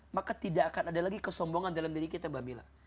maka tidak akan ada lagi kesombongan dalam diri kita mbak mila